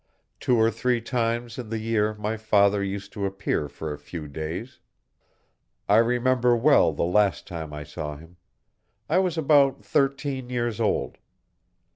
Two or three times in the year my father used to appear for a few days. I remember well the last time I saw him. I was about thirteen years old.